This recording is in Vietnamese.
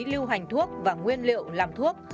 lưu hành thuốc và nguyên liệu làm thuốc